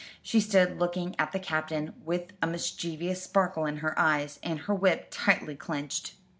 She stood looking at the Captain, with a mischievous sparkle in her eyes, and her whip tightly clenched.